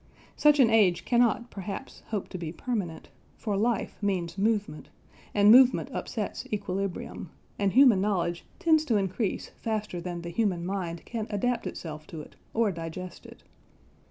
Such an age cannot perhaps hope to be permanent; for life means movement, and movement upsets equilibrium, and human knowledge tends to increase faster than the human mind can adapt itself to it or digest it.